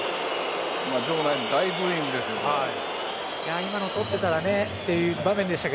場内、大ブーイングですよ。